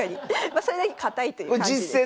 まそれだけ堅いという感じです。